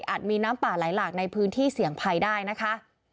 มีน้ำป่าไหลหลากในพื้นที่เสี่ยงภัยได้นะคะ